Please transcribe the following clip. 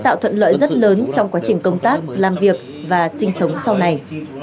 tạo thuận lợi rất lớn trong quá trình công tác làm việc và sinh sống sau này